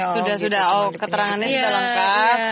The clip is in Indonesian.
sudah sudah oh keterangannya sudah lengkap